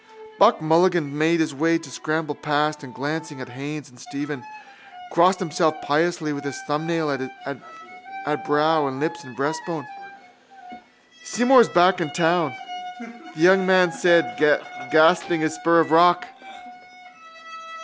Buck Mulligan made way for him to scramble past and, glancing at Haines and Stephen, crossed himself piously with his thumbnail at brow and lips and breastbone. —Seymour's back in town, the young man said, grasping again his spur of rock.